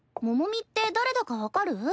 モモミって誰だか分かる？